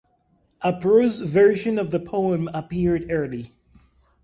A prose version of the poem appeared early.